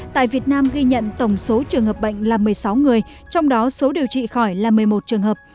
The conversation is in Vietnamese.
tại việt nam ghi nhận tổng số trường hợp bệnh là một mươi sáu người trong đó số điều trị khỏi là một mươi một trường hợp